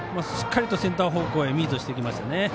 しっかりセンター方向へミーとしていきましたね。